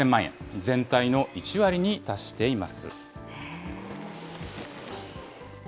全体の１割に達しています。